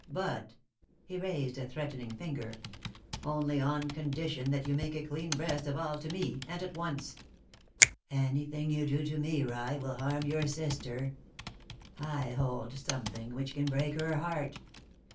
But," he raised a threatening finger, "only on condition that you make a clean breast of all to me and at once." "Anything you do to me, rye, will harm your sister. I hold something which can break her heart."